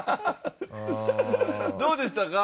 どうでしたか？